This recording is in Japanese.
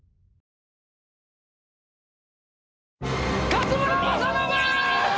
勝村政信！